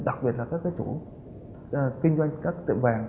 đặc biệt là các chủ kinh doanh các tiệm vàng